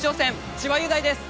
千葉雄大です